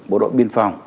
bộ đội biên phòng